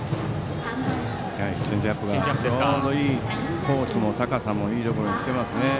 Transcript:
チェンジアップがコースも高さもいいところに来てます。